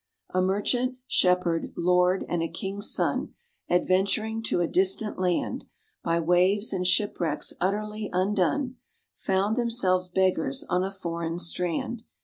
A Merchant, Shepherd, Lord, and a King's Son, Adventuring to a distant land, By waves and shipwrecks utterly undone, Found themselves beggars on a foreign strand.